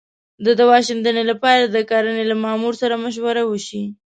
د دوا شیندنې لپاره باید د کرنې له مامور سره مشوره وشي.